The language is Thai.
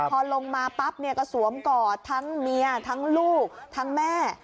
พอลงมาปั๊บเนี่ยก็สวมกอดทั้งเมียทั้งลูกทั้งแม่